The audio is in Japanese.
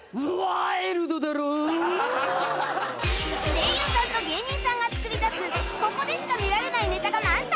声優さんと芸人さんが作り出すここでしか見られないネタが満載！